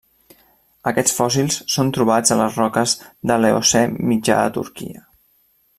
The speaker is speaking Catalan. Aquests fòssils són trobats a les roques de l'Eocè mitjà a Turquia.